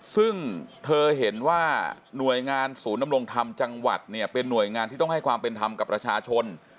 ซึ่งเธอเห็นว่าหน่วยงานศูนย์นำลงธรรมจังหวัดเนี่ยเป็นหน่วยงานที่ต้องให้ความเป็นธรรมกับประชาชน